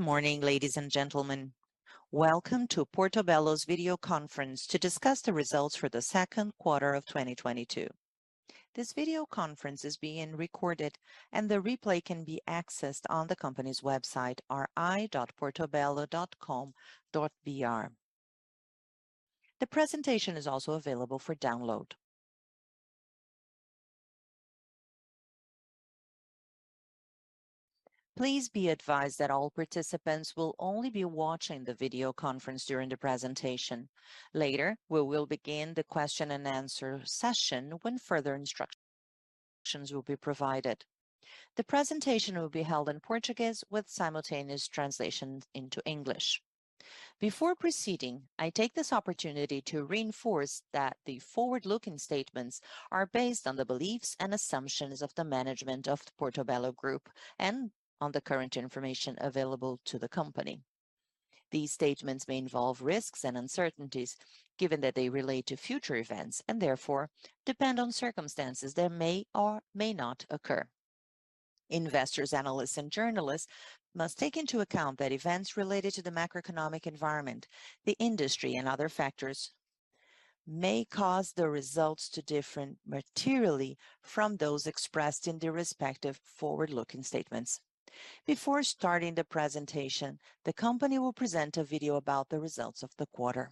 Good morning, ladies and gentlemen. Welcome to Portobello's video conference to discuss the results for the second quarter of 2022. This video conference is being recorded and the replay can be accessed on the company's website, ri.portobello.com.br. The presentation is also available for download. Please be advised that all participants will only be watching the video conference during the presentation. Later, we will begin the question-and-answer session when further instructions will be provided. The presentation will be held in Portuguese with simultaneous translation into English. Before proceeding, I take this opportunity to reinforce that the forward-looking statements are based on the beliefs and assumptions of the management of Portobello Grupo and on the current information available to the company. These statements may involve risks and uncertainties given that they relate to future events and therefore depend on circumstances that may or may not occur. Investors, analysts, and journalists must take into account that events related to the macroeconomic environment, the industry, and other factors may cause the results to differ materially from those expressed in the respective forward-looking statements. Before starting the presentation, the company will present a video about the results of the quarter.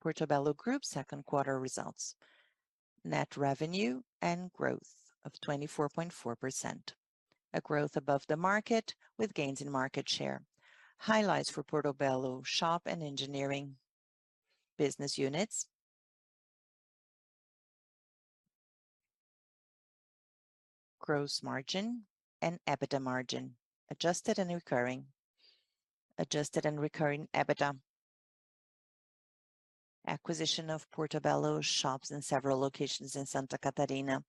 Portobello Group second quarter results. Net revenue and growth of 24.4%. A growth above the market with gains in market share. Highlights for Portobello Shop and Engineering business units. Gross margin and EBITDA margin. Adjusted and recurring. Adjusted and recurring EBITDA. Acquisition of Portobello Shops in several locations in Santa Catarina,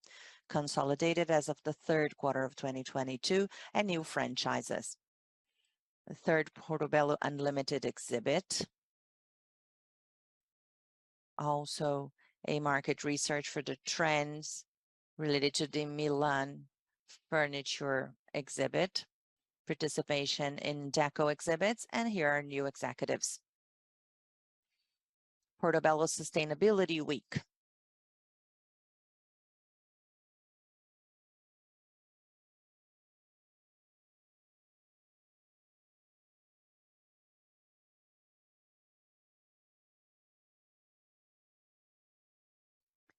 consolidated as of the third quarter of 2022, and new franchises. The third Portobello Unlimited exhibit. Also a market research for the trends related to the Milan Furniture Fair. Participation in Art Deco exhibits, and here are new executives. Portobello Sustainability Week.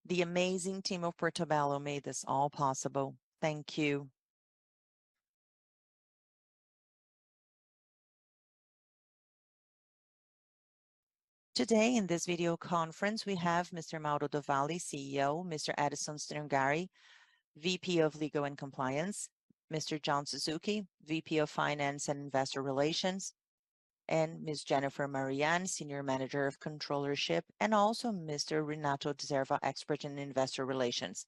The amazing team of Portobello made this all possible. Thank you. Today in this video conference we have Mr. Mauro do Valle, CEO, Mr. Edson Stringari, VP of Legal and Compliance, Mr. John Suzuki, VP of Finance and Investor Relations, and Ms. Jeniffer Mariane, Senior Manager of Controllership, and also Mr. Renato de Serpa, expert in investor relations.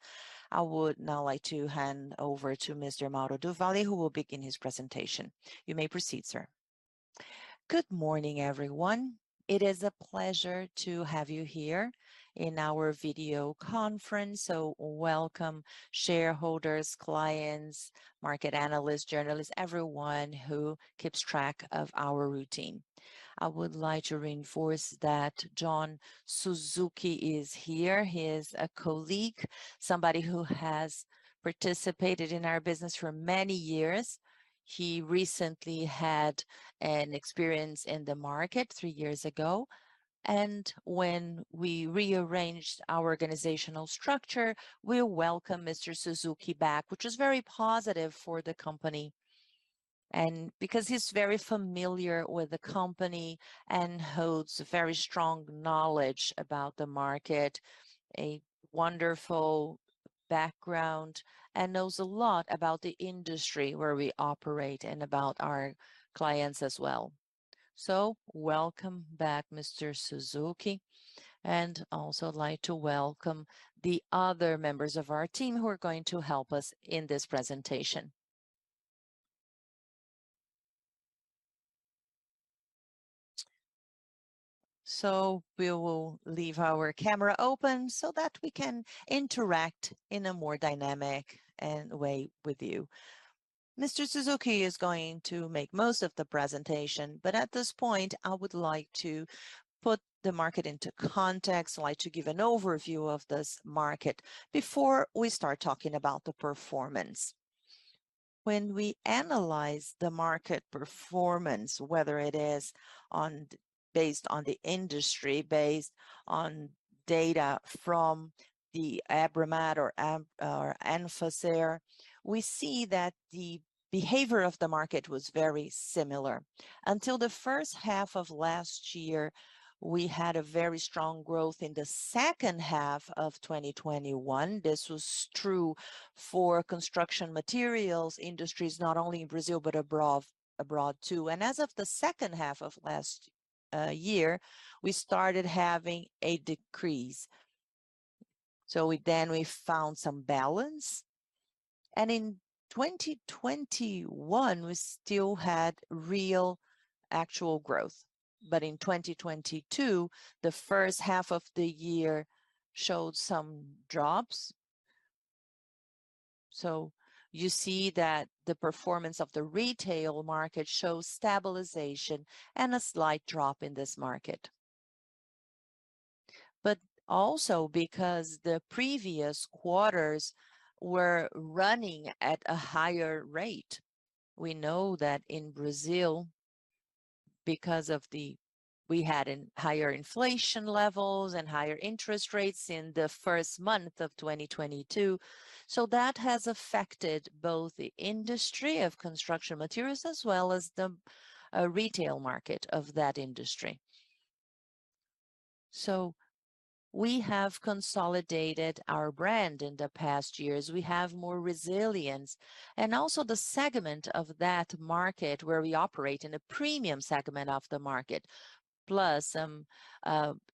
I would now like to hand over to Mr. Mauro do Valle, who will begin his presentation. You may proceed, sir. Good morning, everyone. It is a pleasure to have you here in our video conference, so welcome shareholders, clients, market analysts, journalists, everyone who keeps track of our routine. I would like to reinforce that John Suzuki is here. He is a colleague, somebody who has participated in our business for many years. He recently had an experience in the market three years ago, and when we rearranged our organizational structure, we welcome Mr. Suzuki back, which is very positive for the company and because he's very familiar with the company and holds very strong knowledge about the market, a wonderful background, and knows a lot about the industry where we operate and about our clients as well. Welcome back, Mr. Suzuki, and also I'd like to welcome the other members of our team who are going to help us in this presentation. We will leave our camera open so that we can interact in a more dynamic way with you. Mr. Suzuki is going to make most of the presentation, but at this point, I would like to put the market into context. I'd like to give an overview of this market before we start talking about the performance. When we analyze the market performance, whether it is based on the industry, based on data from the ABRAMAT or Anfacer, we see that the behavior of the market was very similar. Until the first half of last year, we had a very strong growth. In the second half of 2021, this was true for construction materials industries, not only in Brazil but abroad too. As of the second half of last year, we started having a decrease. Then we found some balance, and in 2021, we still had real actual growth. In 2022, the first half of the year showed some drops. You see that the performance of the retail market shows stabilization and a slight drop in this market. Also because the previous quarters were running at a higher rate. We know that in Brazil, because we had a higher inflation levels and higher interest rates in the first month of 2022, so that has affected both the industry of construction materials as well as the retail market of that industry. We have consolidated our brand in the past years. We have more resilience. Also the segment of that market where we operate in a premium segment of the market, plus some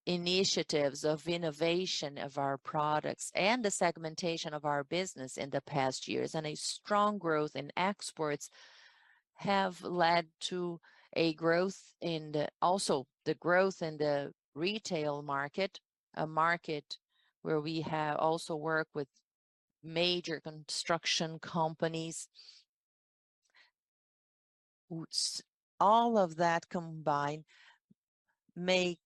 initiatives of innovation of our products and the segmentation of our business in the past years, and a strong growth in exports have led to also the growth in the retail market, a market where we have also worked with major construction companies. All of that combined make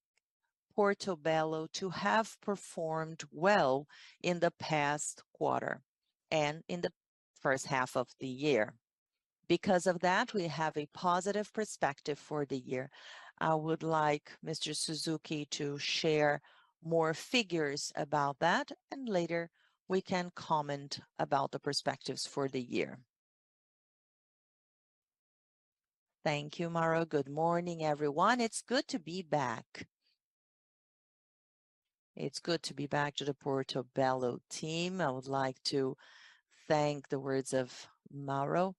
Portobello to have performed well in the past quarter and in the first half of the year. Because of that, we have a positive perspective for the year. I would like Mr. Suzuki to share more figures about that, and later we can comment about the perspectives for the year. Thank you, Mauro. Good morning, everyone. It's good to be back. It's good to be back to the Portobello team. I would like to thank the words of Mauro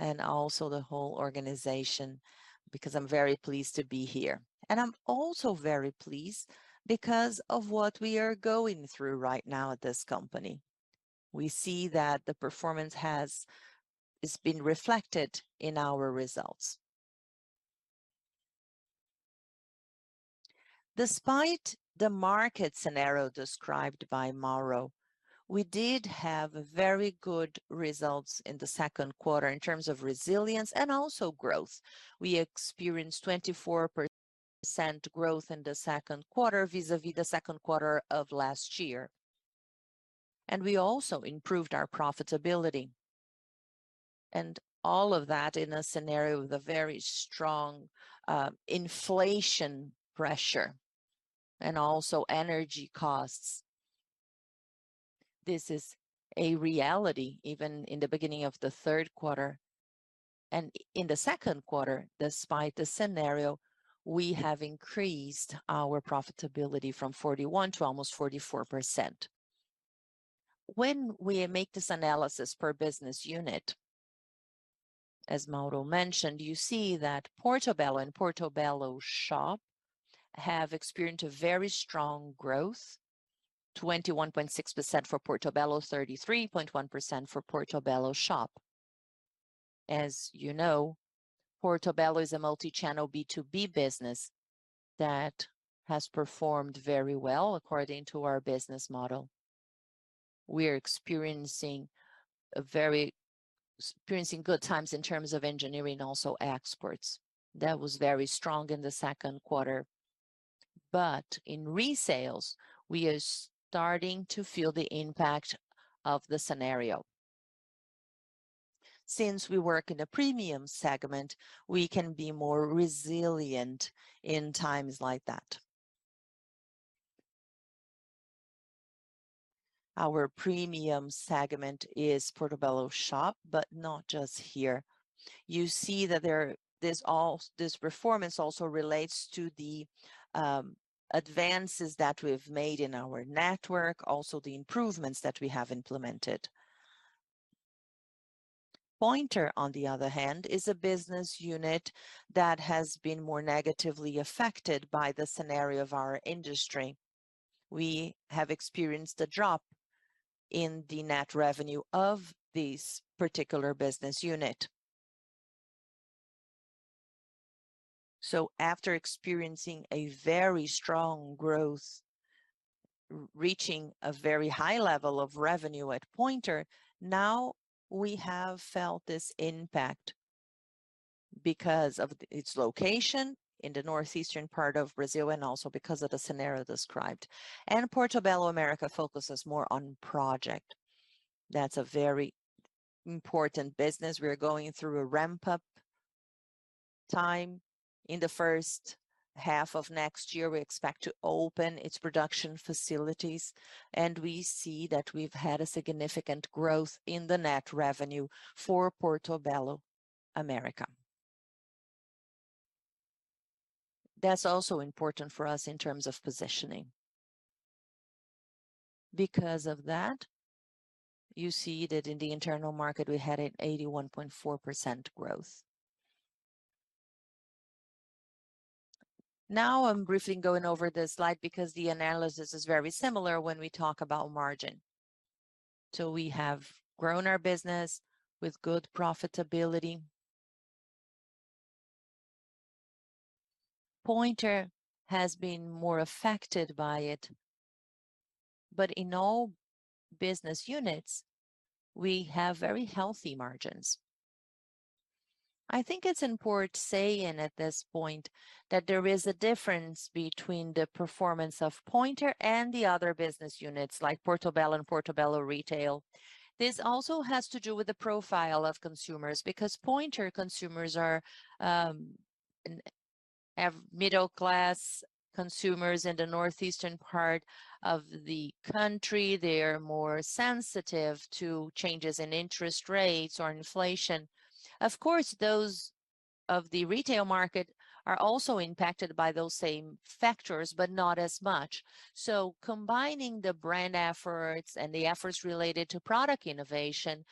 and also the whole organization because I'm very pleased to be here. I'm also very pleased because of what we are going through right now at this company. We see that the performance is being reflected in our results. Despite the market scenario described by Mauro, we did have very good results in the second quarter in terms of resilience and also growth. We experienced 24% growth in the second quarter vis-à-vis the second quarter of last year. We also improved our profitability. All of that in a scenario with a very strong inflation pressure and also energy costs. This is a reality even in the beginning of the third quarter. In the second quarter, despite the scenario, we have increased our profitability from 41 to almost 44%. When we make this analysis per business unit, as Mauro mentioned, you see that Portobello and Portobello Shop have experienced a very strong growth, 21.6% for Portobello, 33.1% for Portobello Shop. As you know, Portobello is a multi-channel B2B business that has performed very well according to our business model. We are experiencing good times in terms of engineering, also exports. That was very strong in the second quarter. In resales, we are starting to feel the impact of the scenario. Since we work in a premium segment, we can be more resilient in times like that. Our premium segment is Portobello Shop, but not just here. You see that this performance also relates to the advances that we've made in our network, also the improvements that we have implemented. Pointer, on the other hand, is a business unit that has been more negatively affected by the scenario of our industry. We have experienced a drop in the net revenue of this particular business unit. After experiencing a very strong growth, reaching a very high level of revenue at Pointer, now we have felt this impact because of its location in the northeastern part of Brazil and also because of the scenario described. Portobello America focuses more on project. That's a very important business. We are going through a ramp-up time. In the first half of next year, we expect to open its production facilities, and we see that we've had a significant growth in the net revenue for Portobello America. That's also important for us in terms of positioning. Because of that, you see that in the internal market, we had an 81.4% growth. Now I'm briefly going over this slide because the analysis is very similar when we talk about margins. We have grown our business with good profitability. Pointer has been more affected by it. In all business units, we have very healthy margins. I think it's important saying at this point that there is a difference between the performance of Pointer and the other business units like Portobello and Portobello Shop. This also has to do with the profile of consumers because Pointer consumers are middle-class consumers in the northeastern part of the country. They are more sensitive to changes in interest rates or inflation. Of course, those of the retail market are also impacted by those same factors, but not as much. Combining the brand efforts and the efforts related to product innovation,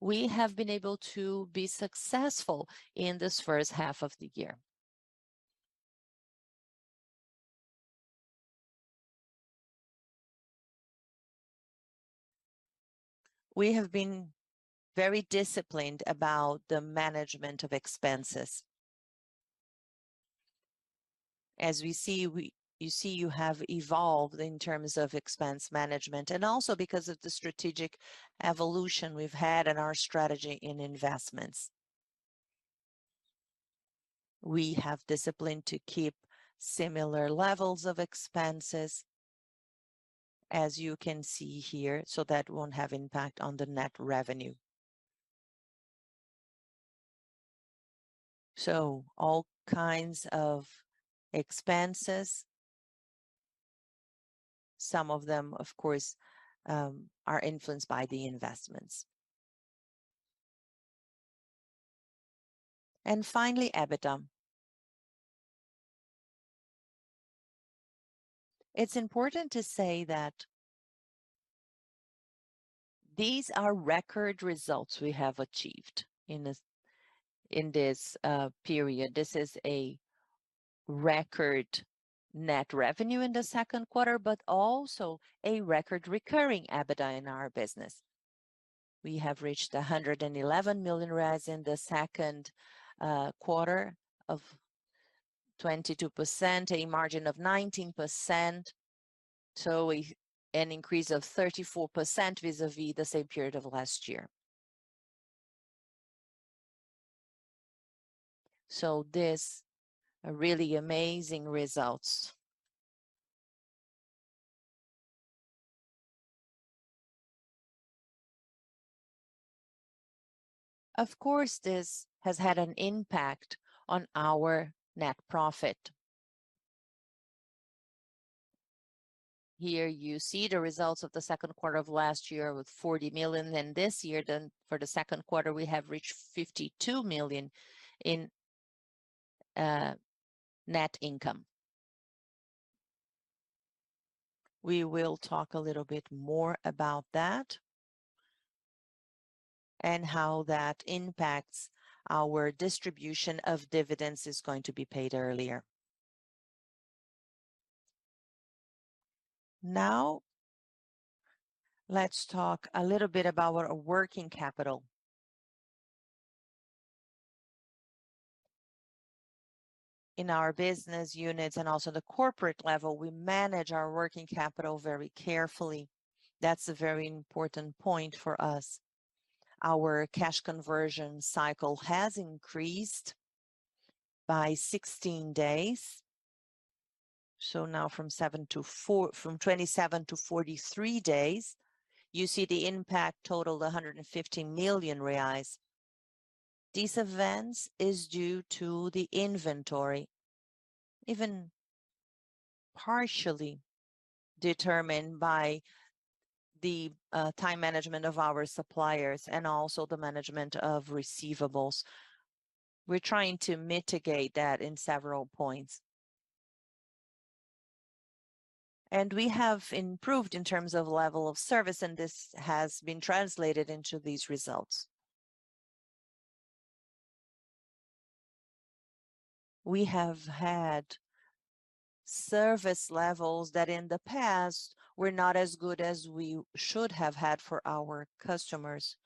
we have been able to be successful in this first half of the year. We have been very disciplined about the management of expenses. As you see, we have evolved in terms of expense management and also because of the strategic evolution we've had in our strategy in investments. We have discipline to keep similar levels of expenses, as you can see here, so that won't have impact on the net revenue. All kinds of expenses. Some of them, of course, are influenced by the investments. Finally, EBITDA. It's important to say that these are record results we have achieved in this period. This is a record net revenue in the second quarter, but also a record recurring EBITDA in our business. We have reached 111 million in the second quarter of 22%, a margin of 19%, so an increase of 34% vis-a-vis the same period of last year. This really amazing results. Of course, this has had an impact on our net profit. Here you see the results of the second quarter of last year with 40 million, and this year then for the second quarter, we have reached 52 million in net income. We will talk a little bit more about that and how that impacts our distribution of dividends is going to be paid earlier. Now, let's talk a little bit about our working capital. In our business units and also the corporate level, we manage our working capital very carefully. That's a very important point for us. Our cash conversion cycle has increased by 16 days, so now from 27 to 43 days. You see the impact totaled 115 million reais. These events is due to the inventory, even partially determined by the time management of our suppliers and also the management of receivables. We're trying to mitigate that in several points. We have improved in terms of level of service, and this has been translated into these results. We have had service levels that in the past were not as good as we should have had for our customers.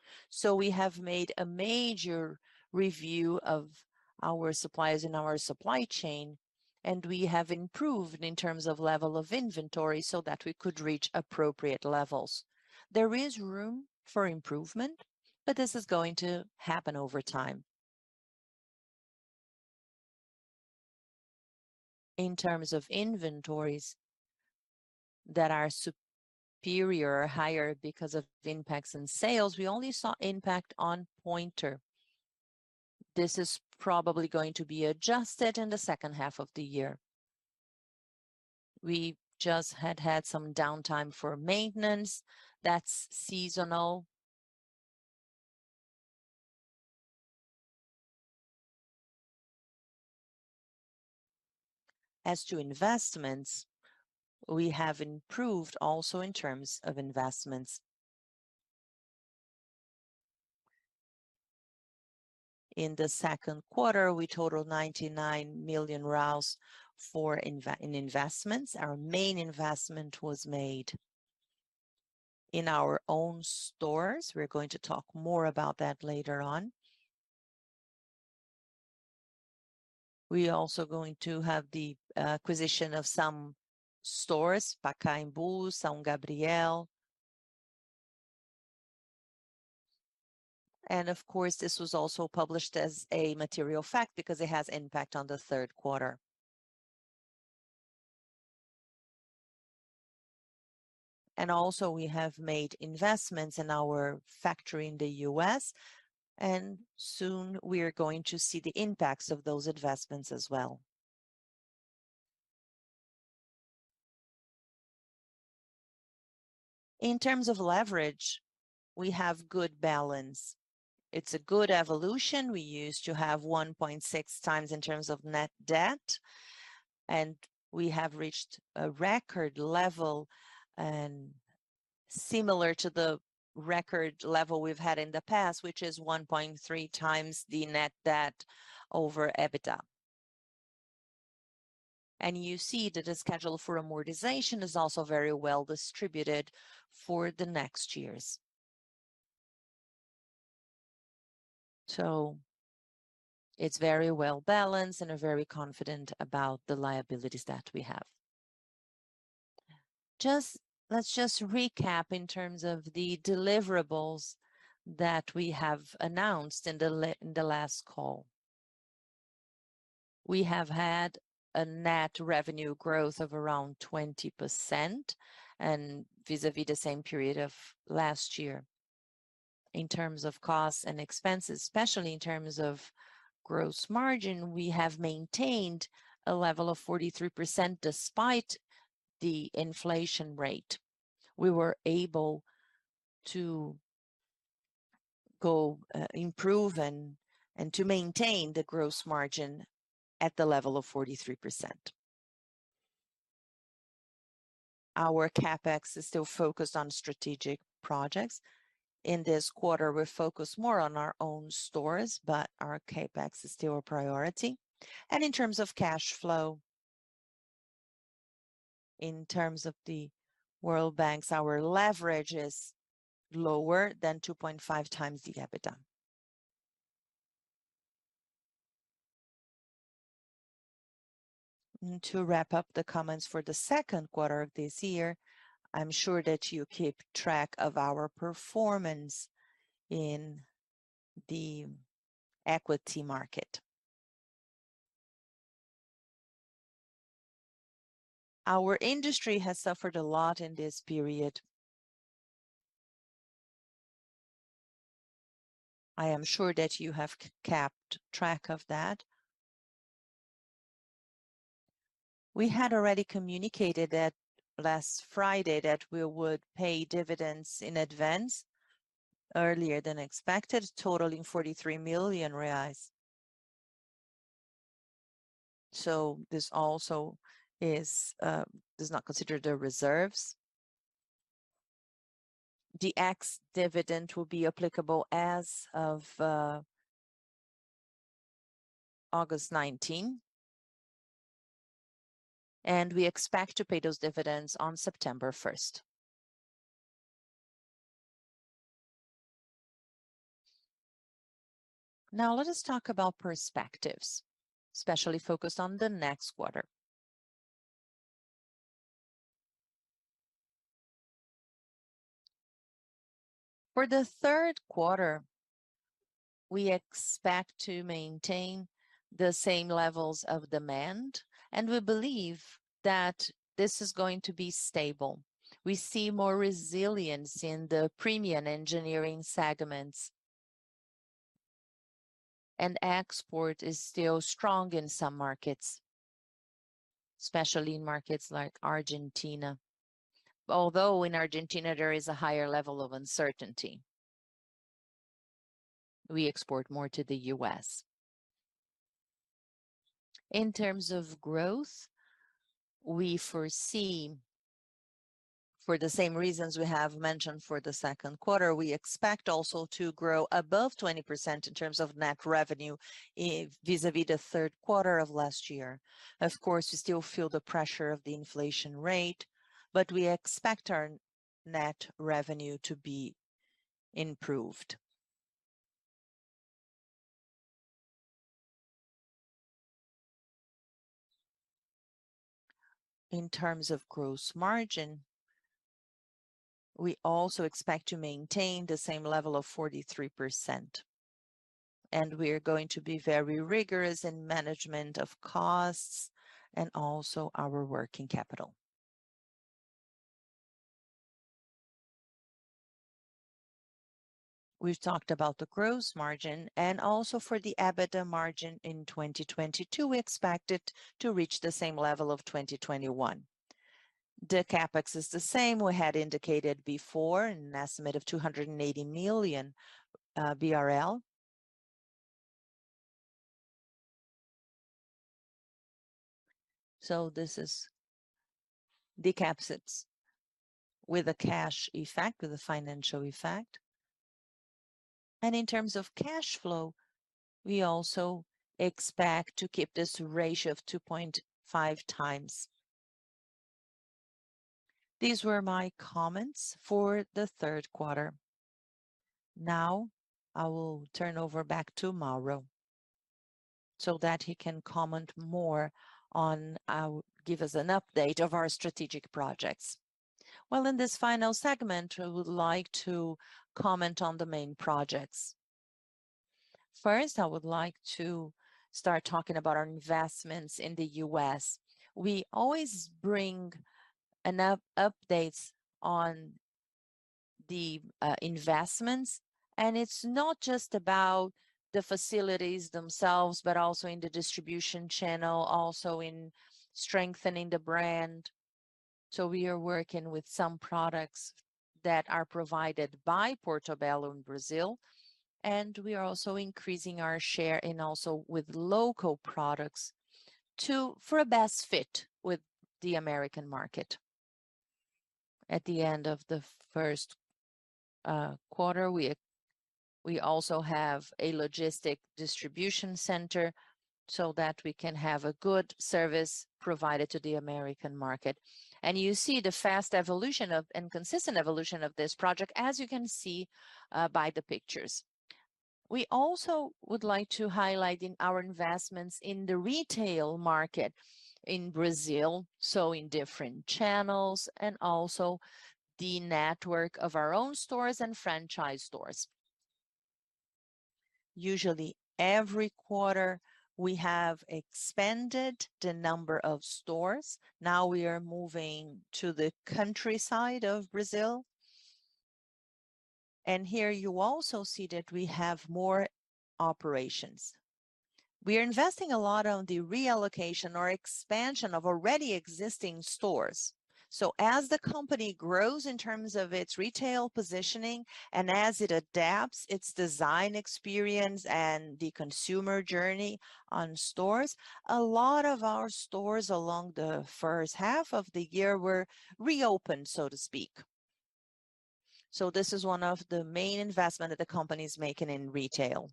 We have made a major review of our suppliers in our supply chain, and we have improved in terms of level of inventory so that we could reach appropriate levels. There is room for improvement, but this is going to happen over time. In terms of inventories that are superior or higher because of impacts in sales, we only saw impact on Pointer. This is probably going to be adjusted in the second half of the year. We just had some downtime for maintenance. That's seasonal. As to investments, we have improved also in terms of investments. In the second quarter, we totaled 99 million for investments. Our main investment was made in our own stores. We're going to talk more about that later on. We are also going to have the acquisition of some stores, Pacaembu, São Gabriel. Of course, this was also published as a material fact because it has impact on the third quarter. We have made investments in our factory in the U.S., and soon we are going to see the impacts of those investments as well. In terms of leverage, we have good balance. It's a good evolution. We used to have 1.6 times in terms of net debt, and we have reached a record level and similar to the record level we've had in the past, which is 1.3 times the net debt over EBITDA. You see that the schedule for amortization is also very well distributed for the next years. It's very well-balanced, and we're very confident about the liabilities that we have. Let's just recap in terms of the deliverables that we have announced in the last call. We have had a net revenue growth of around 20% vis-a-vis the same period of last year. In terms of costs and expenses, especially in terms of gross margin, we have maintained a level of 43% despite the inflation rate. We were able to improve and to maintain the gross margin at the level of 43%. Our CapEx is still focused on strategic projects. In this quarter, we're focused more on our own stores, but our CapEx is still a priority. In terms of cash flow, in terms of net debt, our leverage is lower than 2.5 times the EBITDA. To wrap up the comments for the second quarter of this year, I'm sure that you keep track of our performance in the equity market. Our industry has suffered a lot in this period. I am sure that you have kept track of that. We had already communicated that last Friday that we would pay dividends in advance earlier than expected, totaling 43 million reais. This also does not consider the reserves. The ex-dividend will be applicable as of August 19, and we expect to pay those dividends on September 1. Now let us talk about perspectives, especially focused on the next quarter. For the third quarter, we expect to maintain the same levels of demand, and we believe that this is going to be stable. We see more resilience in the premium engineering segments. Export is still strong in some markets, especially in markets like Argentina. Although in Argentina, there is a higher level of uncertainty. We export more to the U.S. In terms of growth, we foresee for the same reasons we have mentioned for the second quarter, we expect also to grow above 20% in terms of net revenue vis-a-vis the third quarter of last year. Of course, we still feel the pressure of the inflation rate, but we expect our net revenue to be improved. In terms of gross margin, we also expect to maintain the same level of 43%, and we are going to be very rigorous in management of costs and also our working capital. We've talked about the gross margin and also for the EBITDA margin in 2022, we expect it to reach the same level of 2021. The CapEx is the same we had indicated before, an estimate of 280 million BRL. This is the CapEx with a cash effect, with a financial effect. In terms of cash flow, we also expect to keep this ratio of 2.5 times. These were my comments for the third quarter. Now, I will turn over back to Mauro so that he can give us an update of our strategic projects. Well, in this final segment, I would like to comment on the main projects. First, I would like to start talking about our investments in the U.S. We always bring enough updates on the investments, and it's not just about the facilities themselves, but also in the distribution channel, also in strengthening the brand. We are working with some products that are provided by Portobello in Brazil, and we are also increasing our share and also with local products for a best fit with the American market. At the end of the first quarter, we also have a logistics distribution center so that we can have a good service provided to the American market. You see the fast evolution and consistent evolution of this project, as you can see, by the pictures. We also would like to highlight our investments in the retail market in Brazil, so in different channels and also the network of our own stores and franchise stores. Usually, every quarter, we have expanded the number of stores. Now we are moving to the countryside of Brazil. Here you also see that we have more operations. We are investing a lot on the reallocation or expansion of already existing stores. As the company grows in terms of its retail positioning and as it adapts its design experience and the consumer journey on stores, a lot of our stores along the first half of the year were reopened, so to speak. This is one of the main investment that the company is making in retail.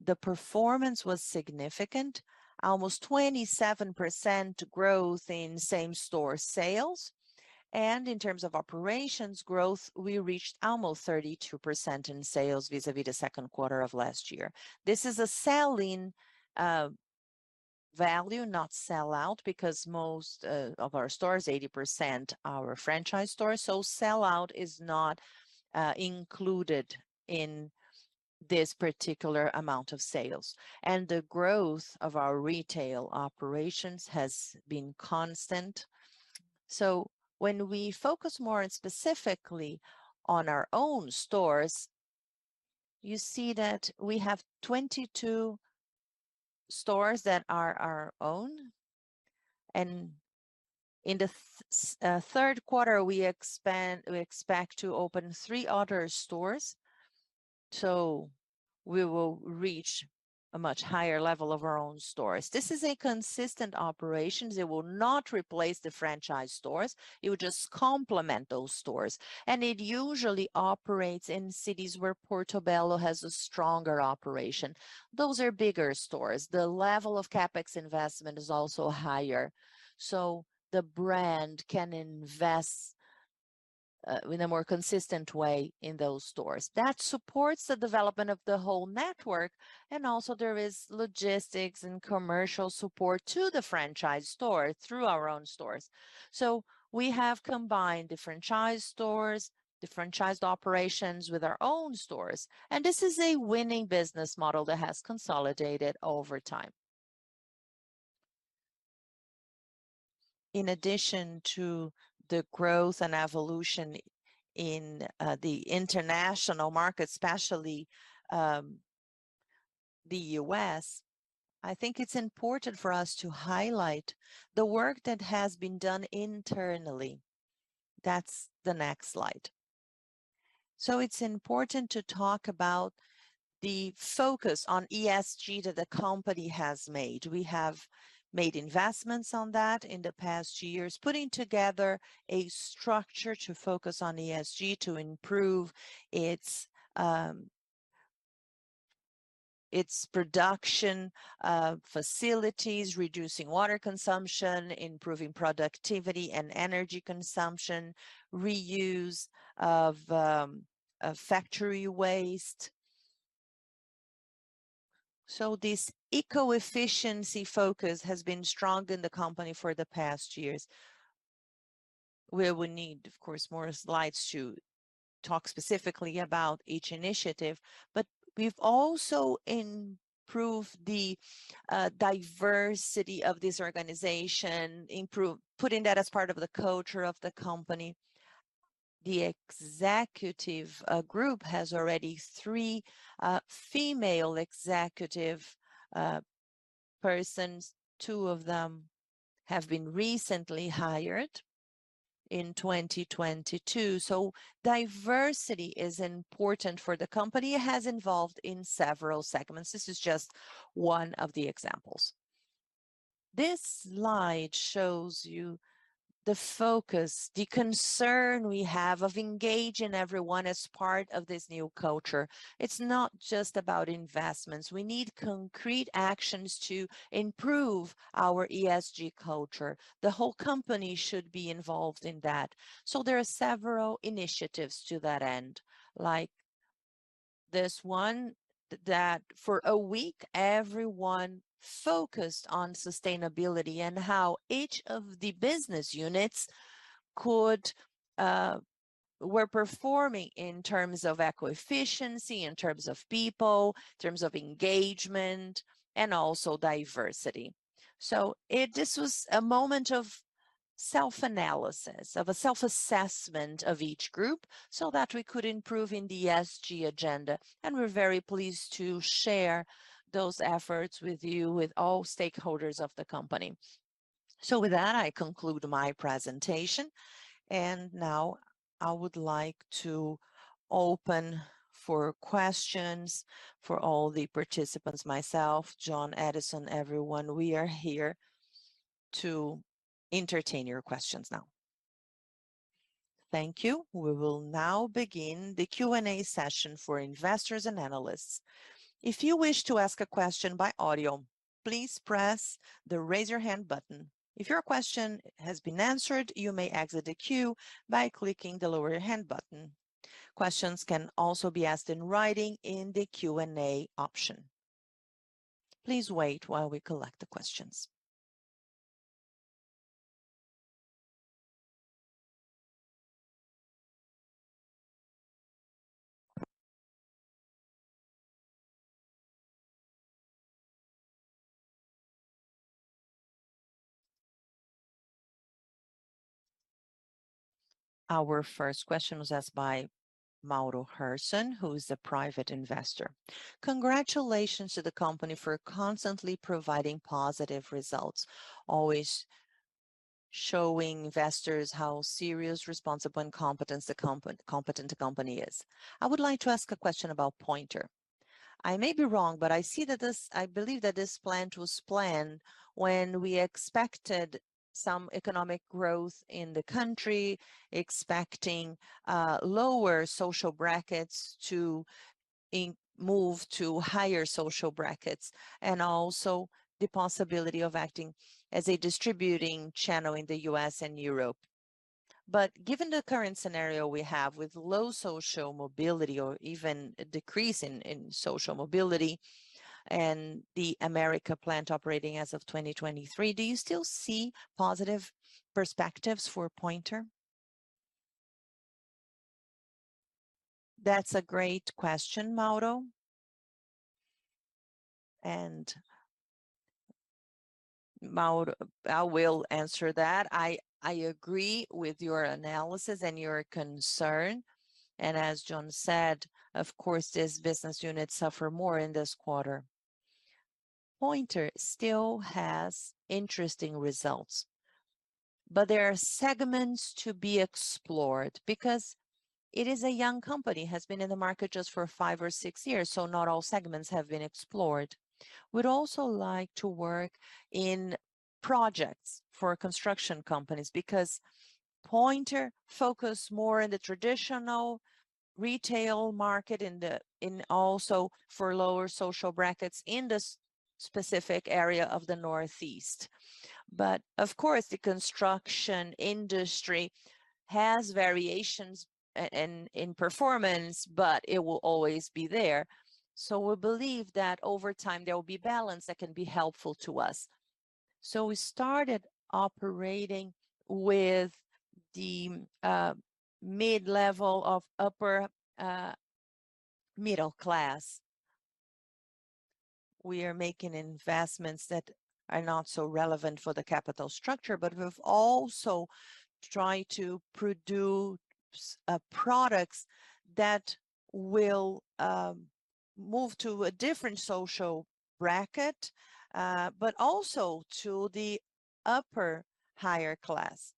The performance was significant, almost 27% growth in same-store sales. In terms of operations growth, we reached almost 32% in sales vis-a-vis the second quarter of last year. This is a sell-in value, not sell-out, because most of our stores, 80% are franchise stores, so sell-out is not included in this particular amount of sales. The growth of our retail operations has been constant. When we focus more specifically on our own stores, you see that we have 22 stores that are our own. In the third quarter, we expect to open 3 other stores, so we will reach a much higher level of our own stores. This is a consistent operations. It will not replace the franchise stores. It will just complement those stores. It usually operates in cities where Portobello has a stronger operation. Those are bigger stores. The level of CapEx investment is also higher, so the brand can invest in a more consistent way in those stores. That supports the development of the whole network. Also there is logistics and commercial support to the franchise store through our own stores. We have combined the franchise stores, the franchised operations with our own stores. This is a winning business model that has consolidated over time. In addition to the growth and evolution in the international market, especially the U.S., I think it's important for us to highlight the work that has been done internally. That's the next slide. It's important to talk about the focus on ESG that the company has made. We have made investments on that in the past years, putting together a structure to focus on ESG to improve its production facilities, reducing water consumption, improving productivity and energy consumption, reuse of factory waste. This eco-efficiency focus has been strong in the company for the past years, where we need, of course, more slides to talk specifically about each initiative. But we've also improved the diversity of this organization, putting that as part of the culture of the company. The executive group has already three female executive persons. Two of them have been recently hired in 2022. Diversity is important for the company. It has involved in several segments. This is just one of the examples. This slide shows you the focus, the concern we have of engaging everyone as part of this new culture. It's not just about investments. We need concrete actions to improve our ESG culture. The whole company should be involved in that. There are several initiatives to that end, like this one that for a week everyone focused on sustainability and how each of the business units were performing in terms of eco-efficiency, in terms of people, in terms of engagement, and also diversity. This was a moment of self-analysis, of a self-assessment of each group so that we could improve in the ESG agenda, and we're very pleased to share those efforts with you, with all stakeholders of the company. With that, I conclude my presentation, and now I would like to open for questions for all the participants, myself, John Edison, everyone. We are here to entertain your questions now. Thank you. We will now begin the Q&A session for investors and analysts. If you wish to ask a question by audio, please press the Raise Your Hand button. If your question has been answered, you may exit the queue by clicking the Lower Your Hand button. Questions can also be asked in writing in the Q&A option. Please wait while we collect the questions. Our first question was asked by Mauro Herson, who is a private investor. Congratulations to the company for constantly providing positive results, always showing investors how serious, responsible, and competent the company is. I would like to ask a question about Pointer. I may be wrong, but I see that this. I believe that this plant was planned when we expected some economic growth in the country, expecting lower social brackets to move to higher social brackets, and also the possibility of acting as a distribution channel in the U.S. and Europe. Given the current scenario we have with low social mobility or even a decrease in social mobility and the Portobello America plant operating as of 2023, do you still see positive prospects for Pointer? That's a great question, Mauro. Mauro, I will answer that. I agree with your analysis and your concern, and as John said, of course, this business unit suffer more in this quarter. Pointer still has interesting results, but there are segments to be explored because it is a young company, has been in the market just for five or six years, so not all segments have been explored. We'd also like to work in projects for construction companies because Pointer focus more in the traditional retail market, in also for lower social brackets in the specific area of the Northeast. Of course, the construction industry has variations in performance, but it will always be there. We believe that over time there will be balance that can be helpful to us. We started operating with the mid-level of upper middle class. We are making investments that are not so relevant for the capital structure, but we've also tried to produce products that will move to a different social bracket, but also to the upper higher class.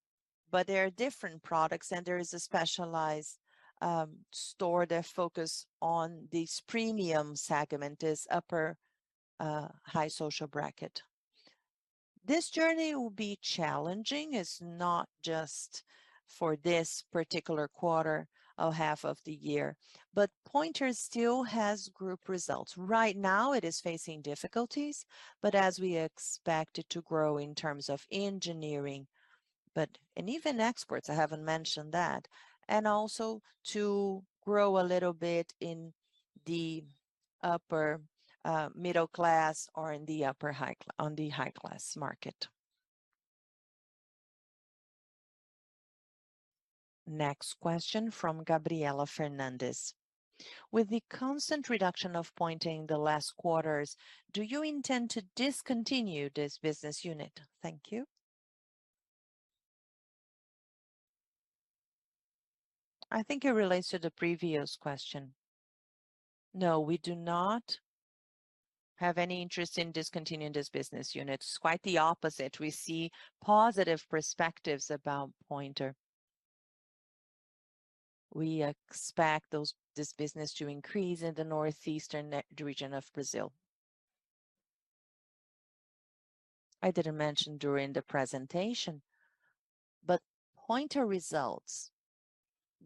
They are different products, and there is a specialized store that focuses on this premium segment, this upper high social bracket. This journey will be challenging. It's not just for this particular quarter or half of the year, but Pointer still has group results. Right now it is facing difficulties, but as we expect it to grow in terms of engineering. Even exports, I haven't mentioned that. Also to grow a little bit in the upper middle class or in the upper high on the high-class market. Next question from Gabriela Fernandez. With the constant reduction of Pointer in the last quarters, do you intend to discontinue this business unit? Thank you." I think it relates to the previous question. No, we do not have any interest in discontinuing this business unit. It's quite the opposite. We see positive perspectives about Pointer. We expect this business to increase in the northeastern region of Brazil. I didn't mention during the presentation, but Pointer results,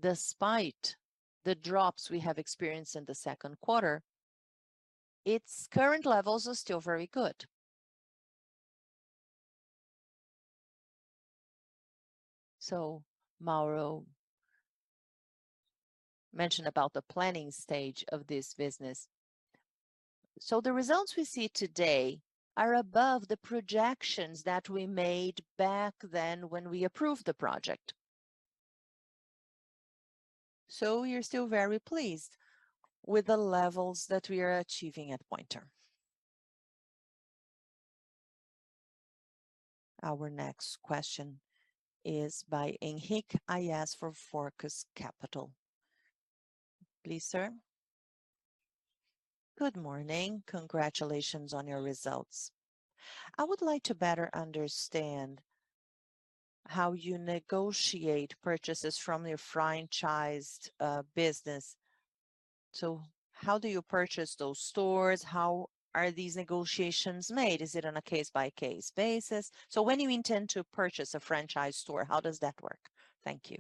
despite the drops we have experienced in the second quarter, its current levels are still very good. Mauro mentioned about the planning stage of this business. The results we see today are above the projections that we made back then when we approved the project. We're still very pleased with the levels that we are achieving at Pointer. Our next question is by Henrique Aiás for Foco Capital. Please, sir. Good morning. Congratulations on your results. I would like to better understand how you negotiate purchases from your franchised business. How do you purchase those stores? How are these negotiations made? Is it on a case-by-case basis? When you intend to purchase a franchise store, how does that work? Thank you.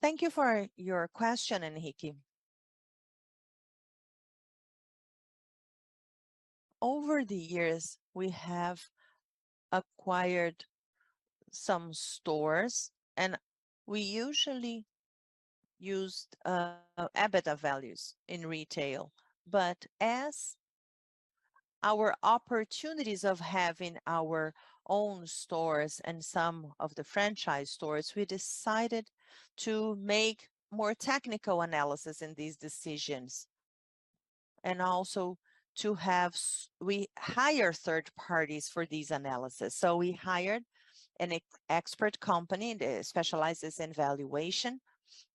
Thank you for your question, Henrique. Over the years, we have acquired some stores, and we usually used EBITDA values in retail. As our opportunities of having our own stores and some of the franchise stores, we decided to make more technical analysis in these decisions and also to have we hire third parties for these analysis. We hired an expert company that specializes in valuation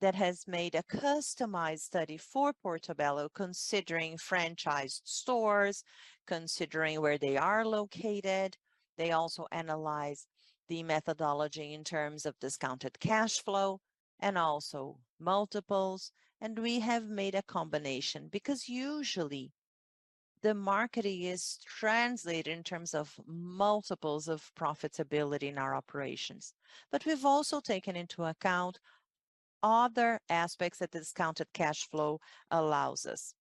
that has made a customized study for Portobello considering franchise stores, considering where they are located. They also analyzed the methodology in terms of discounted cash flow and also multiples. We have made a combination because usually the marketing is translated in terms of multiples of profitability in our operations. We've also taken into account other aspects that discounted cash flow allows us.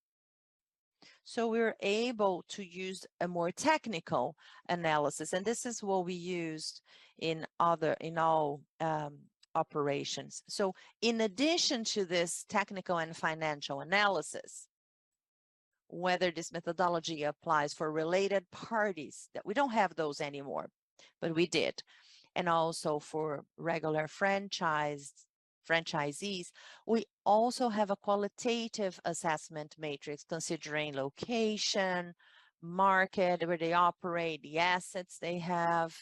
We're able to use a more technical analysis, and this is what we used in all operations. In addition to this technical and financial analysis, whether this methodology applies for related parties, that we don't have those anymore, but we did, and also for regular franchisees, we also have a qualitative assessment matrix considering location, market where they operate, the assets they have,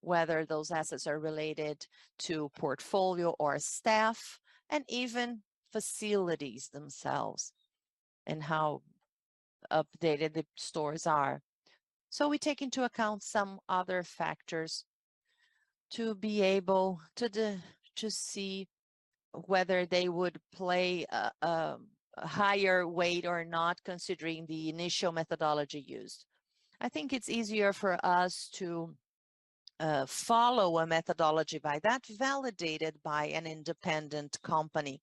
whether those assets are related to portfolio or staff, and even facilities themselves and how updated the stores are. We take into account some other factors to be able to see whether they would play a higher weight or not considering the initial methodology used. I think it's easier for us to follow a methodology that's validated by an independent company.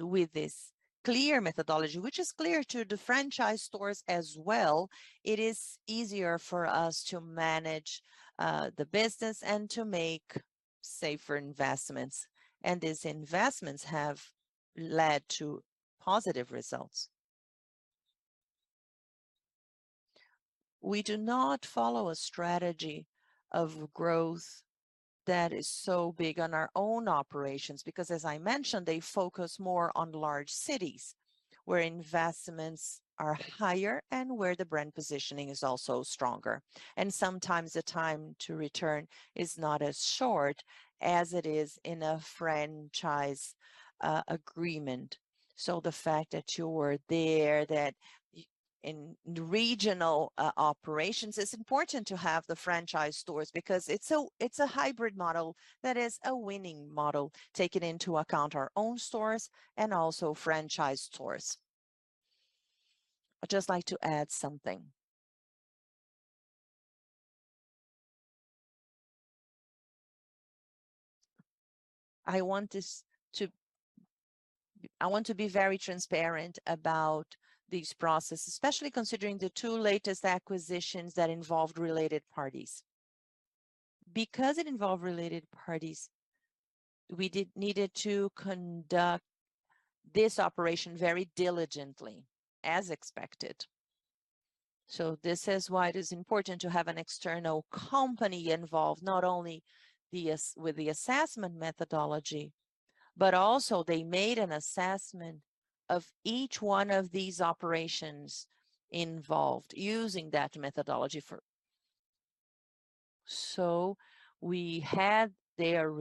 With this clear methodology, which is clear to the franchise stores as well, it is easier for us to manage the business and to make safer investments. These investments have led to positive results. We do not follow a strategy of growth that is so big on our own operations because, as I mentioned, they focus more on large cities where investments are higher and where the brand positioning is also stronger. Sometimes the time to return is not as short as it is in a franchise agreement. The fact that you're there, that in regional operations, it's important to have the franchise stores because it's a hybrid model that is a winning model, taking into account our own stores and also franchise stores. I'd just like to add something. I want to be very transparent about this process, especially considering the two latest acquisitions that involved related parties. Because it involved related parties, we needed to conduct this operation very diligently as expected. This is why it is important to have an external company involved, not only with the assessment methodology but also they made an assessment of each one of these operations involved using that methodology. We had their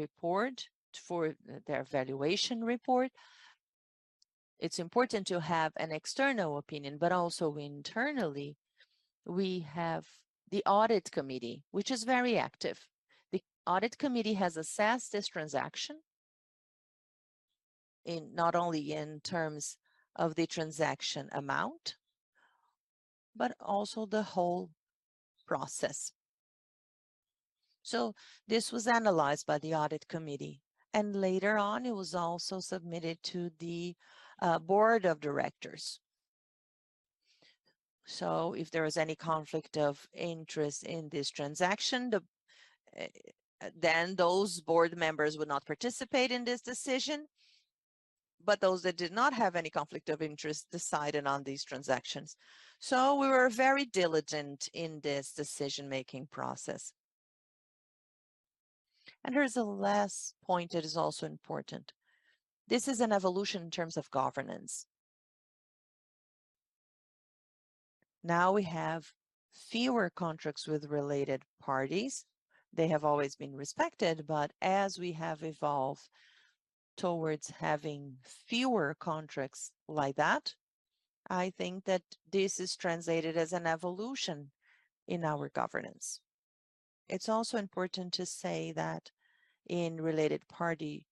evaluation report. It's important to have an external opinion, but also internally we have the audit committee, which is very active. The audit committee has assessed this transaction not only in terms of the transaction amount, but also the whole process. This was analyzed by the audit committee, and later on it was also submitted to the board of directors. If there was any conflict of interest in this transaction, then those board members would not participate in this decision. Those that did not have any conflict of interest decided on these transactions. We were very diligent in this decision-making process. Here's the last point that is also important. This is an evolution in terms of governance. Now we have fewer contracts with related parties. They have always been respected, but as we have evolved towards having fewer contracts like that, I think that this is translated as an evolution in our governance. It's also important to say that in related party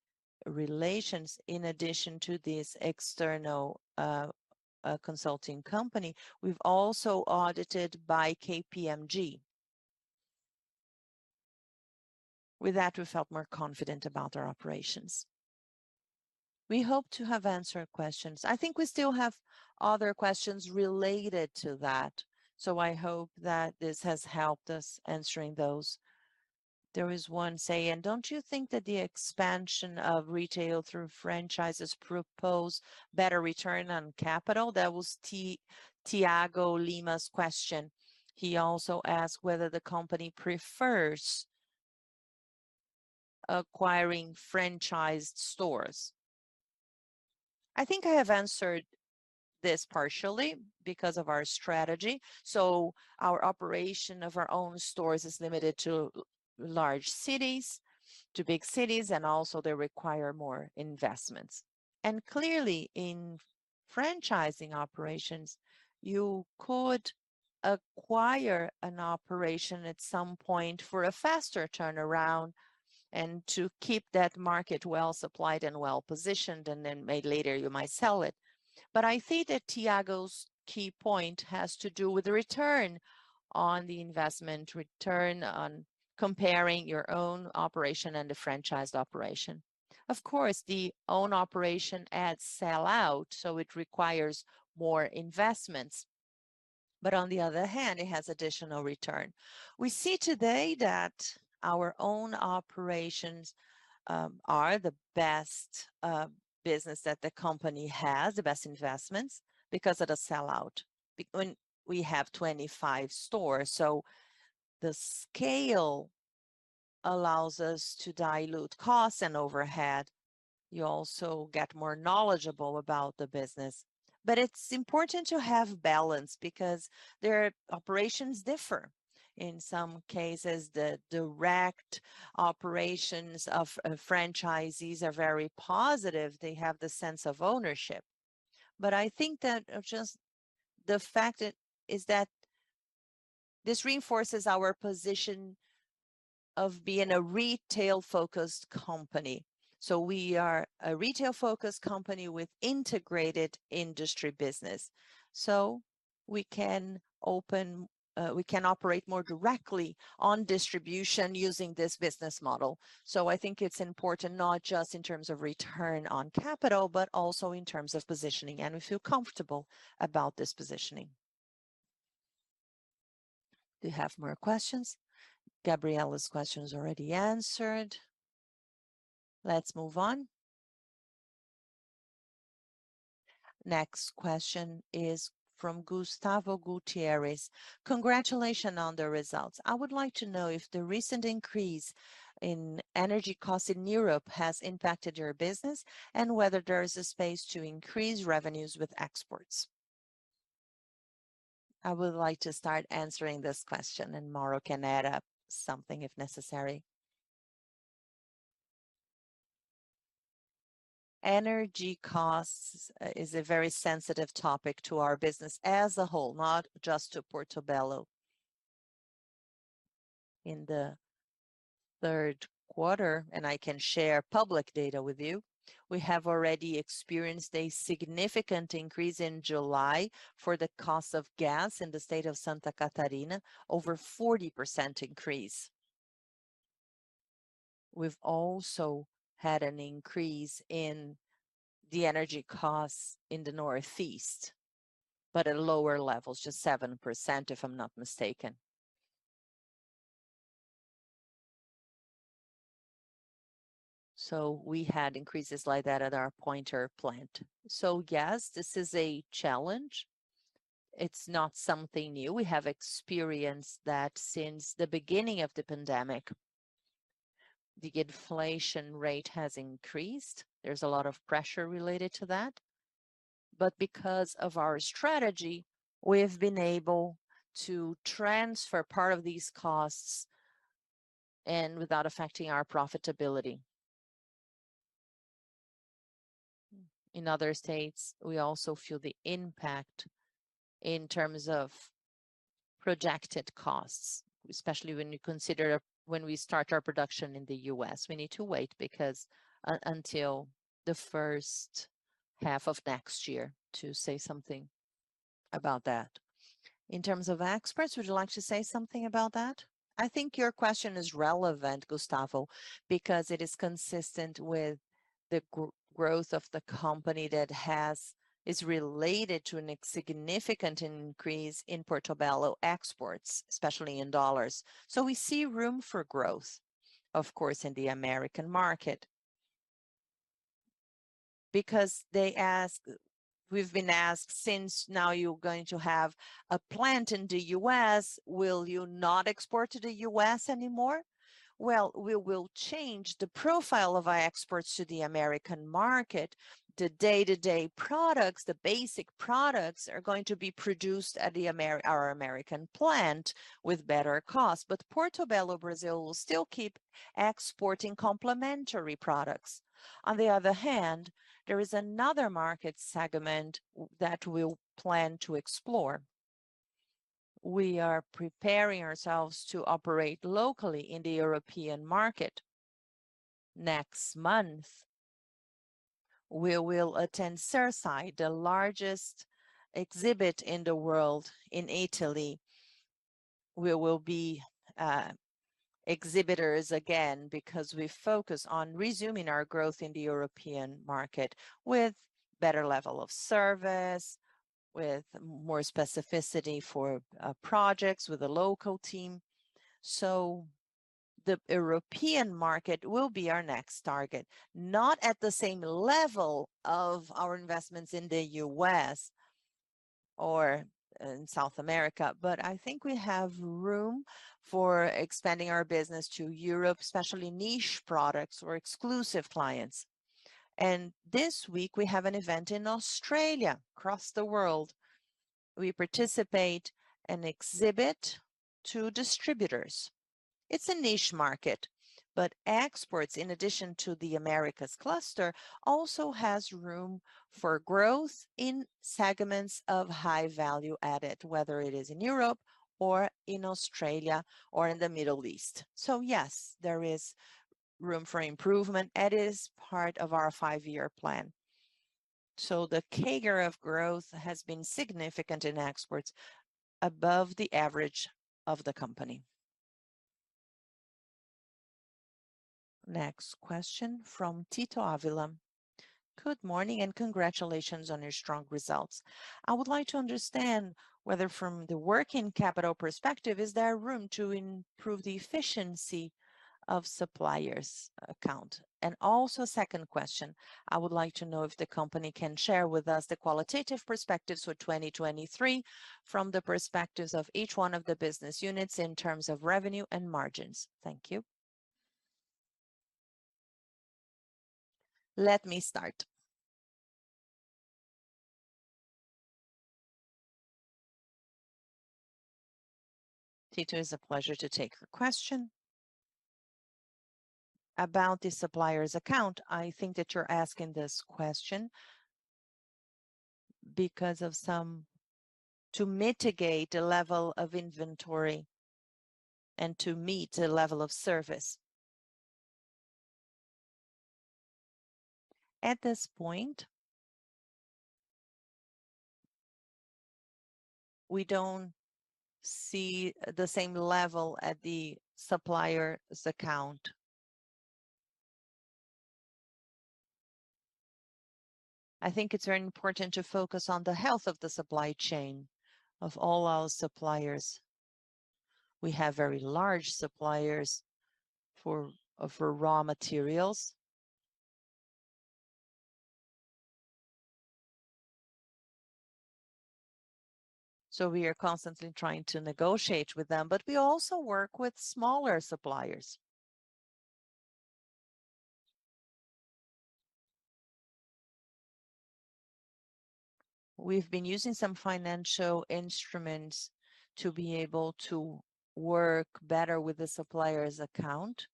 relations, in addition to this external consulting company, we've also audited by KPMG. With that, we felt more confident about our operations. We hope to have answered questions. I think we still have other questions related to that, so I hope that this has helped us answering those. There is one saying, "Don't you think that the expansion of retail through franchises propose better return on capital?" That was Tiago Macruz's question. He also asked whether the company prefers acquiring franchised stores. I think I have answered this partially because of our strategy. Our operation of our own stores is limited to large cities, to big cities, and also they require more investments. Clearly in franchising operations, you could acquire an operation at some point for a faster turnaround and to keep that market well-supplied and well-positioned, and then later you might sell it. I think that Tiago's key point has to do with the return on the investment, return on comparing your own operation and the franchised operation. Of course, the own operation adds sell-out, so it requires more investments. On the other hand, it has additional return. We see today that our own operations are the best business that the company has, the best investments because of the sell-out. When we have 25 stores, so the scale allows us to dilute costs and overhead. You also get more knowledgeable about the business. It's important to have balance because their operations differ. In some cases, the direct operations of franchisees are very positive. They have the sense of ownership. I think that just the fact is that this reinforces our position of being a retail-focused company. We are a retail-focused company with integrated industry business. We can operate more directly on distribution using this business model. I think it's important not just in terms of return on capital, but also in terms of positioning, and we feel comfortable about this positioning. Do you have more questions? Gabriela's question is already answered. Let's move on. Next question is from Gustavo Gutierrez. Congratulations on the results. I would like to know if the recent increase in energy costs in Europe has impacted your business and whether there is a space to increase revenues with exports." I would like to start answering this question, and Mauro can add something if necessary. Energy costs is a very sensitive topic to our business as a whole, not just to Portobello. In the third quarter, and I can share public data with you, we have already experienced a significant increase in July for the cost of gas in the state of Santa Catarina, over 40% increase. We've also had an increase in the energy costs in the Northeast, but at lower levels, just 7%, if I'm not mistaken. We had increases like that at our Pointer plant. Yes, this is a challenge. It's not something new. We have experienced that since the beginning of the pandemic. The inflation rate has increased. There's a lot of pressure related to that. Because of our strategy, we have been able to transfer part of these costs and without affecting our profitability. In other states, we also feel the impact in terms of projected costs, especially when we start our production in the U.S. We need to wait because until the first half of next year to say something about that. In terms of exports, would you like to say something about that? I think your question is relevant, Gustavo, because it is consistent with the growth of the company that is related to a significant increase in Portobello exports, especially in dollars. We see room for growth, of course, in the American market. Because we've been asked, "Since now you're going to have a plant in the U.S., will you not export to the U.S. anymore?" Well, we will change the profile of our exports to the American market. The day-to-day products, the basic products are going to be produced at the American plant with better cost. Portobello Brazil will still keep exporting complementary products. On the other hand, there is another market segment that we'll plan to explore. We are preparing ourselves to operate locally in the European market. Next month, we will attend Cersaie, the largest exhibit in the world in Italy. We will be exhibitors again because we focus on resuming our growth in the European market with better level of service, with more specificity for projects, with a local team. The European market will be our next target, not at the same level of our investments in the U.S. or in South America. I think we have room for expanding our business to Europe, especially niche products or exclusive clients. This week we have an event in Australia, across the world. We participate and exhibit to distributors. It's a niche market, but exports, in addition to the Americas cluster, also has room for growth in segments of high value added, whether it is in Europe or in Australia or in the Middle East. Yes, there is room for improvement. It is part of our five-year plan. The CAGR of growth has been significant in exports above the average of the company. Next question from Tito Ferraz. Good morning, and congratulations on your strong results. I would like to understand whether from the working capital perspective, is there room to improve the efficiency of suppliers account? Also, second question, I would like to know if the company can share with us the qualitative perspectives for 2023 from the perspectives of each one of the business units in terms of revenue and margins. Thank you. Let me start. Tito, it's a pleasure to take your question. About the suppliers account, I think that you're asking this question to mitigate the level of inventory and to meet the level of service. At this point, we don't see the same level at the suppliers account. I think it's very important to focus on the health of the supply chain of all our suppliers. We have very large suppliers for raw materials. We are constantly trying to negotiate with them, but we also work with smaller suppliers. We've been using some financial instruments to be able to work better with the suppliers account.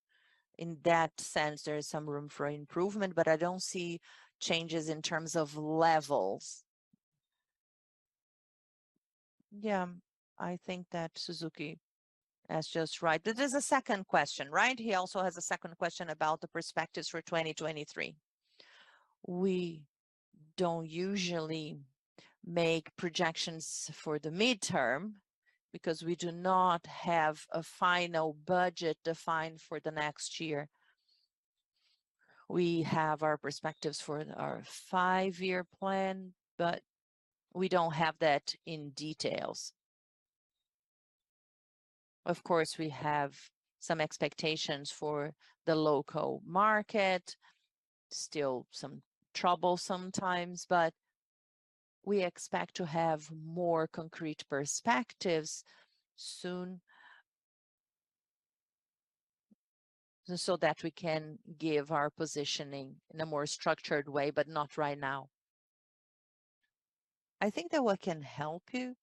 In that sense, there is some room for improvement, but I don't see changes in terms of levels. Yeah, I think that Suzuki asked just right. There is a second question, right? He also has a second question about the perspectives for 2023. We don't usually make projections for the midterm because we do not have a final budget defined for the next year. We have our perspectives for our five-year plan, but we don't have that in details. Of course, we have some expectations for the local market. Still some trouble sometimes, but we expect to have more concrete perspectives soon so that we can give our positioning in a more structured way, but not right now. I think that what can help you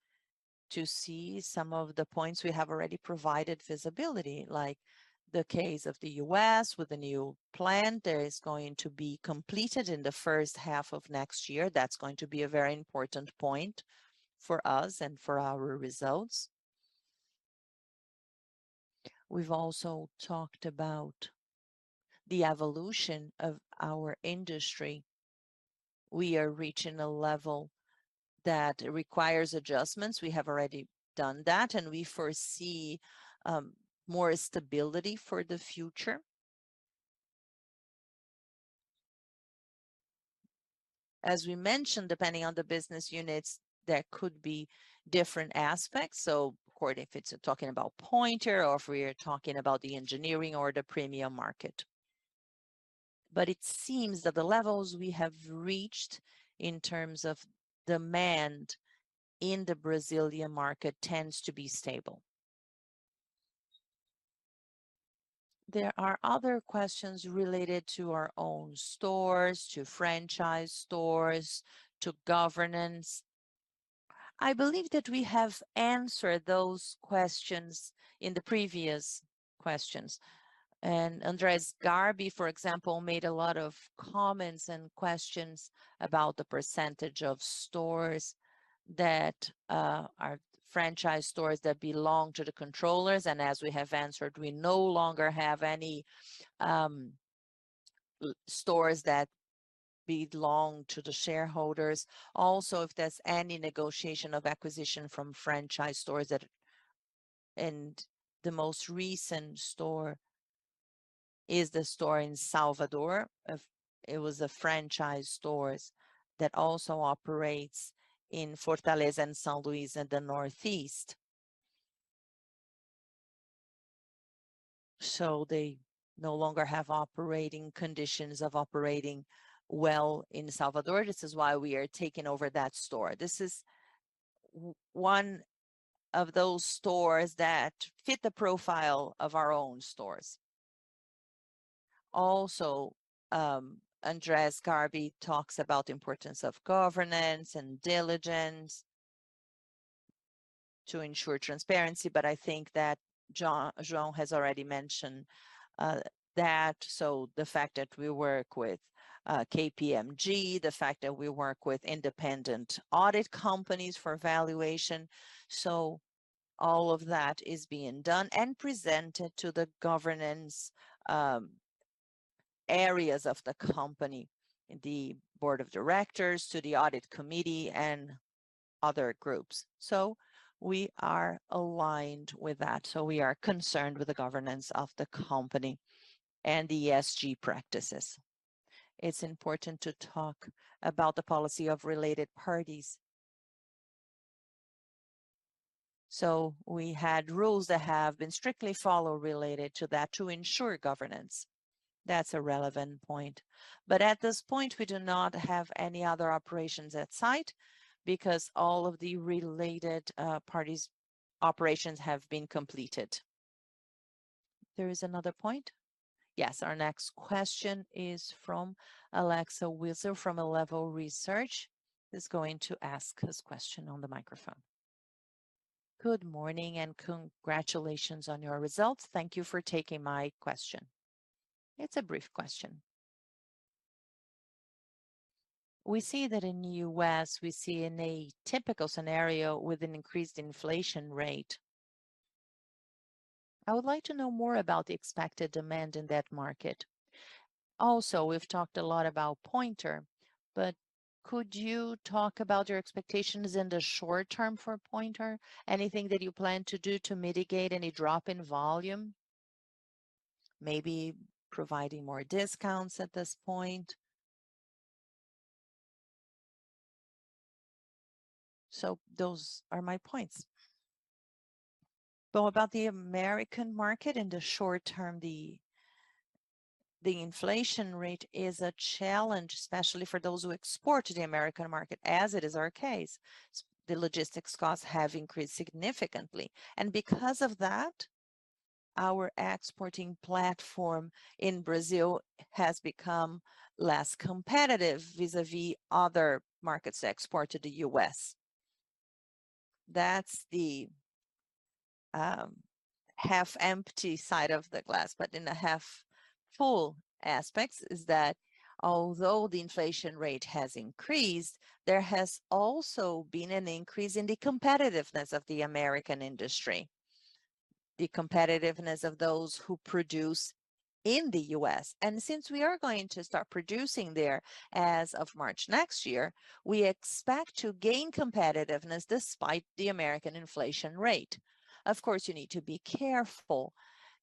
to see some of the points we have already provided visibility, like the case of the U.S. with the new plant that is going to be completed in the first half of next year. That's going to be a very important point for us and for our results. We've also talked about the evolution of our industry. We are reaching a level that requires adjustments. We have already done that, and we foresee more stability for the future. As we mentioned, depending on the business units, there could be different aspects. Of course, if it's talking about Pointer or if we are talking about the engineering or the premium market. It seems that the levels we have reached in terms of demand in the Brazilian market tends to be stable. There are other questions related to our own stores, to franchise stores, to governance. I believe that we have answered those questions in the previous questions. André Garbe, for example, made a lot of comments and questions about the percentage of stores that are franchise stores that belong to the controllers. As we have answered, we no longer have any stores that belong to the shareholders. Also, if there's any negotiation of acquisition from franchise stores. The most recent store is the store in Salvador. It was a franchise store that also operates in Fortaleza and São Luís in the Northeast. They no longer have operating conditions of operating well in Salvador. This is why we are taking over that store. This is one of those stores that fit the profile of our own stores. André Garbe talks about the importance of governance and diligence to ensure transparency, but I think that João has already mentioned that. The fact that we work with KPMG, the fact that we work with independent audit companies for valuation. All of that is being done and presented to the governance areas of the company, the board of directors, to the audit committee and other groups. We are aligned with that. We are concerned with the governance of the company and the ESG practices. It's important to talk about the policy of related parties. We had rules that have been strictly followed related to that to ensure governance. That's a relevant point. At this point, we do not have any other operations aside because all of the related parties' operations have been completed. There is another point. Yes. Our next question is from Aléxia Wiezel from Eleven Research, is going to ask this question on the microphone. Good morning and congratulations on your results. Thank you for taking my question. It's a brief question. We see that in U.S., we see in a typical scenario with an increased inflation rate. I would like to know more about the expected demand in that market. Also, we've talked a lot about Pointer, but could you talk about your expectations in the short term for Pointer? Anything that you plan to do to mitigate any drop in volume, maybe providing more discounts at this point? Those are my points. About the American market, in the short term, the inflation rate is a challenge, especially for those who export to the American market, as it is our case. The logistics costs have increased significantly. Because of that, our exporting platform in Brazil has become less competitive vis-à-vis other markets that export to the U.S. That's the half empty side of the glass. In the half full aspects is that although the inflation rate has increased, there has also been an increase in the competitiveness of the American industry, the competitiveness of those who produce in the U.S. Since we are going to start producing there as of March next year, we expect to gain competitiveness despite the American inflation rate. Of course, you need to be careful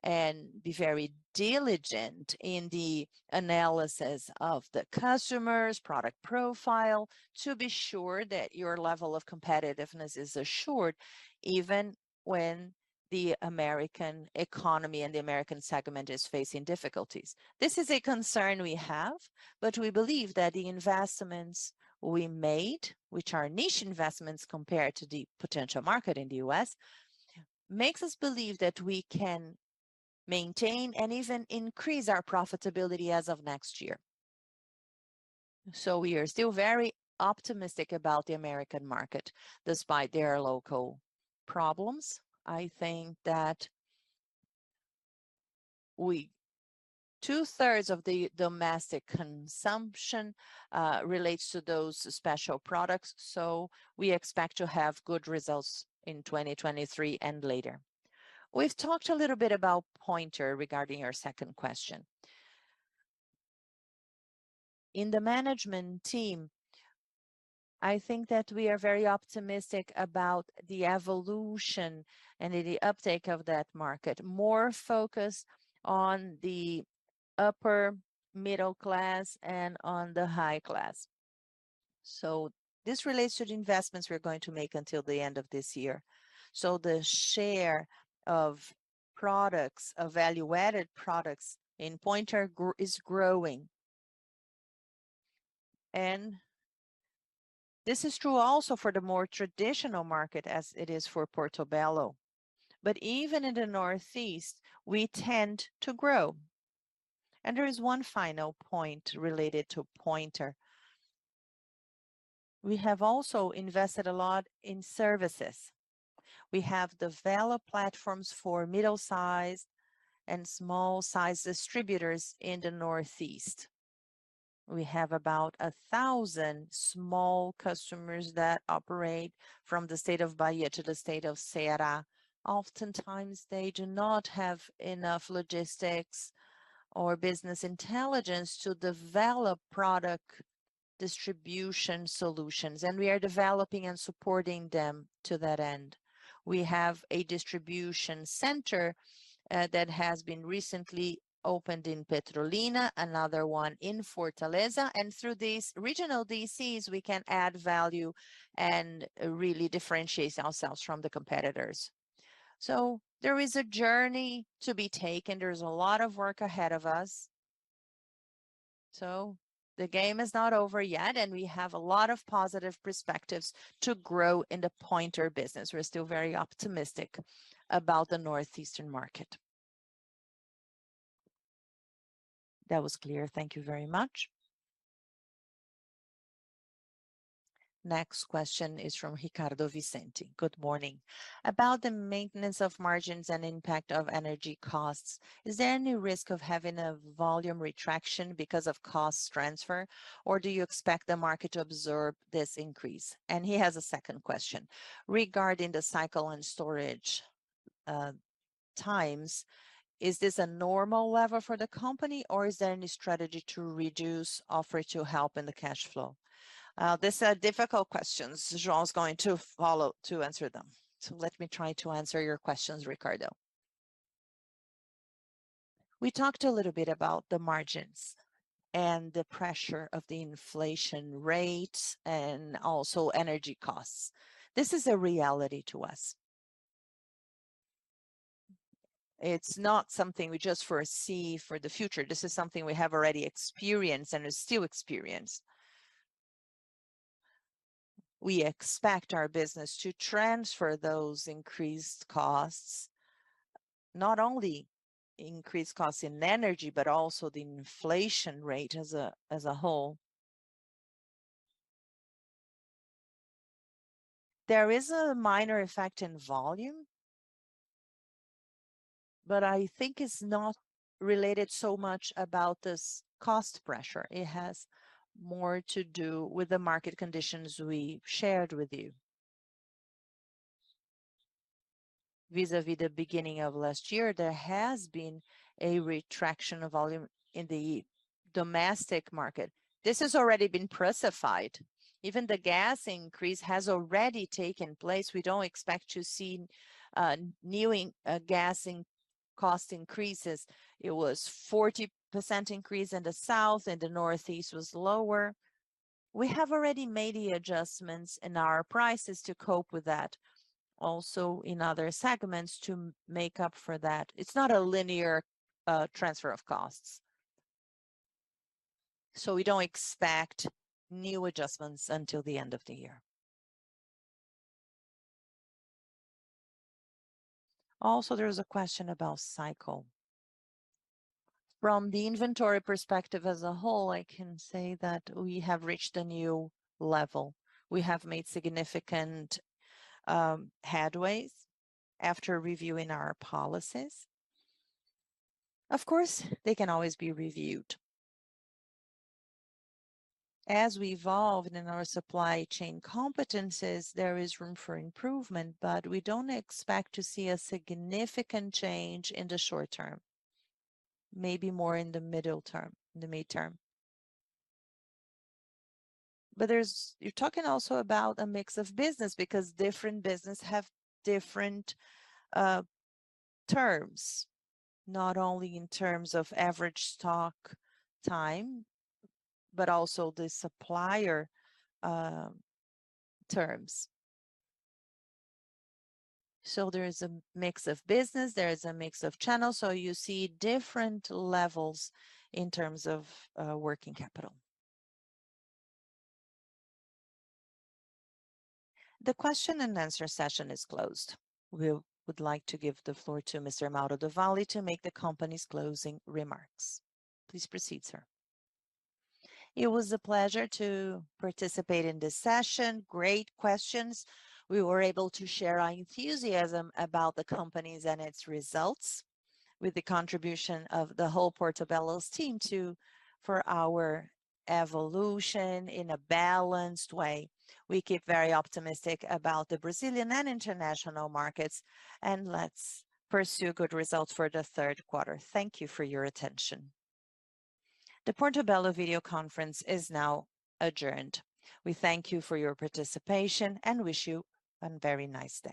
and be very diligent in the analysis of the customers, product profile, to be sure that your level of competitiveness is assured even when the American economy and the American segment is facing difficulties. This is a concern we have, but we believe that the investments we made, which are niche investments compared to the potential market in the U.S. Makes us believe that we can maintain and even increase our profitability as of next year. We are still very optimistic about the American market despite their local problems. I think that two-thirds of the domestic consumption relates to those special products, so we expect to have good results in 2023 and later. We've talked a little bit about Pointer regarding your second question. In the management team, I think that we are very optimistic about the evolution and the uptake of that market, more focused on the upper middle class and on the high class. This relates to the investments we're going to make until the end of this year. The share of products, of value-added products in Pointer is growing. This is true also for the more traditional market as it is for Portobello. Even in the Northeast, we tend to grow. There is one final point related to Pointer. We have also invested a lot in services. We have developed platforms for middle-sized and small-sized distributors in the Northeast. We have about 1,000 small customers that operate from the state of Bahia to the state of Ceará. We have a distribution center that has been recently opened in Petrolina, another one in Fortaleza. Through these regional DCs, we can add value and really differentiate ourselves from the competitors. There is a journey to be taken. There's a lot of work ahead of us, so the game is not over yet, and we have a lot of positive perspectives to grow in the Pointer business. We're still very optimistic about the northeastern market. That was clear. Thank you very much. Next question is from Ricardo Vicente. Good morning. About the maintenance of margins and impact of energy costs, is there any risk of having a volume retraction because of cost transfer, or do you expect the market to absorb this increase? And he has a second question: Regarding the cycle and storage, times, is this a normal level for the company, or is there any strategy to reduce offer to help in the cash flow? These are difficult questions João is going to follow to answer them. Let me try to answer your questions, Ricardo. We talked a little bit about the margins and the pressure of the inflation rate and also energy costs. This is a reality to us. It's not something we just foresee for the future. This is something we have already experienced and still experience. We expect our business to transfer those increased costs, not only increased costs in energy, but also the inflation rate as a whole. There is a minor effect in volume, but I think it's not related so much about this cost pressure. It has more to do with the market conditions we shared with you. Vis-à-vis the beginning of last year, there has been a contraction of volume in the domestic market. This has already been priced in. Even the gas increase has already taken place. We don't expect to see new gas cost increases. It was 40% increase in the South, and the Northeast was lower. We have already made the adjustments in our prices to cope with that, also in other segments to make up for that. It's not a linear transfer of costs. We don't expect new adjustments until the end of the year. Also, there is a question about cycle. From the inventory perspective as a whole, I can say that we have reached a new level. We have made significant headways after reviewing our policies. Of course, they can always be reviewed. As we evolve in our supply chain competencies, there is room for improvement, but we don't expect to see a significant change in the short term. Maybe more in the middle term, in the midterm. You're talking also about a mix of business because different business have different terms, not only in terms of average stock time, but also the supplier terms. There is a mix of business, there is a mix of channels, so you see different levels in terms of working capital. The question and answer session is closed. We would like to give the floor to Mr. Mauro do Valle to make the company's closing remarks. Please proceed, sir. It was a pleasure to participate in this session. Great questions. We were able to share our enthusiasm about the companies and its results with the contribution of the whole Portobello's team to for our evolution in a balanced way. We keep very optimistic about the Brazilian and international markets, and let's pursue good results for the third quarter. Thank you for your attention. The Portobello video conference is now adjourned. We thank you for your participation and wish you a very nice day.